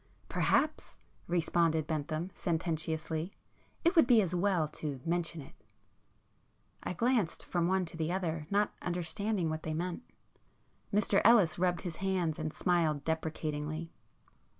"Perhaps," responded Bentham sententiously—"it would be as well to mention it." I glanced from one to the other, not understanding what they meant. Mr Ellis rubbed his hands and smiled deprecatingly.